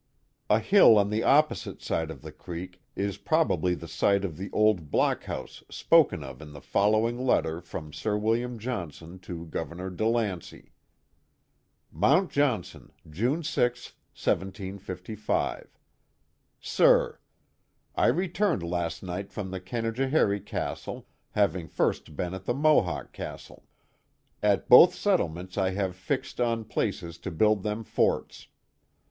A hill on the opposite side of the creek is probably the site of the old block house spoken of in the following let ter from Sir William Johnson to Governor DeLancy: Mount Johnson, June 6, 1755, Sir: — I returned last night from the Conhogohery Castle, having first been at the Mohock Castle. At both settlements I have fixt on Places to build them Forts.